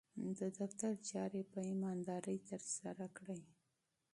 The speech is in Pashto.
د دفتر چارې په امانتدارۍ ترسره کړئ.